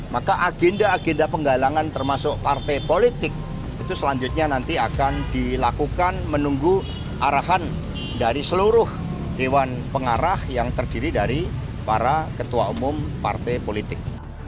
maka agenda agenda penggalangan termasuk partai politik itu selanjutnya nanti akan dilakukan menunggu arahan dari seluruh dewan pengarah yang terdiri dari para ketua umum partai politik